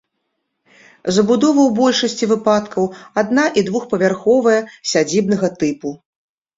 Забудова ў большасці выпадкаў адна- і двухпавярховая сядзібнага тыпу.